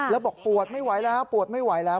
แล้วบอกปวดไม่ไหวแล้วปวดไม่ไหวแล้ว